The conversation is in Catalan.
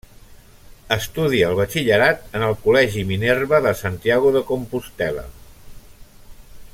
Estudia el batxillerat en el Col·legi Minerva de Santiago de Compostel·la.